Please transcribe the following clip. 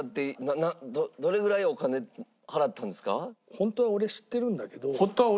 本当は俺知ってるんだけど。